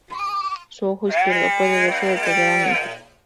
Su ojo izquierdo puede verse detalladamente.